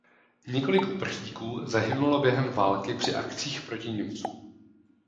Několik uprchlíků zahynulo během války při akcích proti Němcům.